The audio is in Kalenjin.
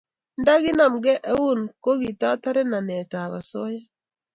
nda kinamgei eun ko kitare nanet ab asoya